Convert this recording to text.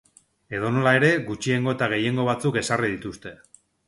Edonola ere, gutxiengo eta gehiengo batzuk ezarri dituzte.